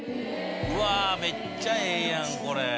うわめっちゃええやんこれ。